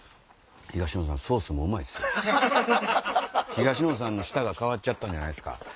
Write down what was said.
東野さんの舌が変わっちゃったんじゃないっすか。